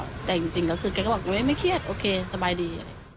แล้วคือแกก็บอกว่าไม่เครียดโอเคสบายดี